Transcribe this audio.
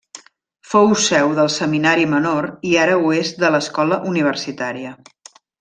Fou seu del Seminari Menor i ara ho és de l'Escola universitària.